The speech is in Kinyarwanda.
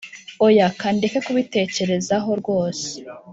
Oya kandeke kubitekerezaho rwose